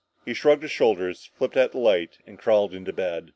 He shrugged his shoulders, flipped out the light and crawled into bed.